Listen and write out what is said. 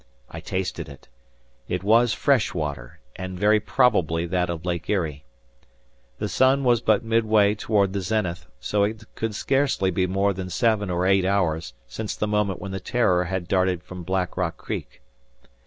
I tasted it. It was fresh water, and very probably that of Lake Erie. The sun was but midway toward the zenith so it could scarcely be more than seven or eight hours since the moment when the "Terror" had darted from Black Rock Creek.